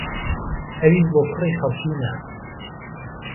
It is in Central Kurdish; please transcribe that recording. ئەویش بۆ کوڕێ خەڵکی نا